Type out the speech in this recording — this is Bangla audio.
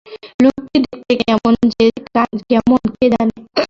লোকটি দেখতে কেমন কে জানে?